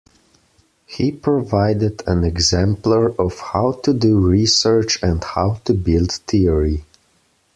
He provided an exemplar of how to do research and how to build theory.